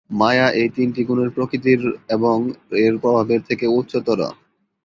মায়া এই তিনটি গুণের প্রকৃতির এবং এর প্রভাবের থেকেও উচ্চতর।